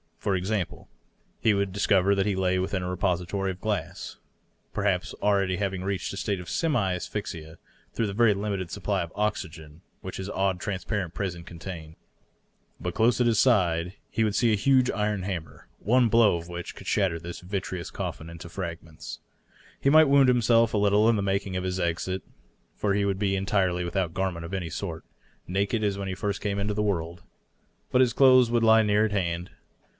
For example, he would discover that he lay within a repository of glass, perhaps having already reached a state of semi asphyxia through the very limited supply of oxygen which his odd, transparent prison con tained. But close at his side he would see a huge iron hammer, one blow of which could shatter this vitreous coffin into fragments. He might wound himself a little in making his exit, for he would be en tirely without garment of any sort, naked as when he first came into the world. But his clothes would lie near at hand.